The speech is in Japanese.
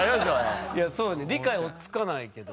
そうね理解追っつかないけど。